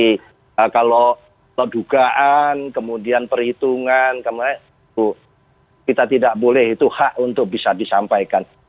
dan nanti kalau kedugaan kemudian perhitungan kemudian itu kita tidak boleh itu hak untuk bisa disampaikan